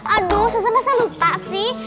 aduh sosa masa lupa sih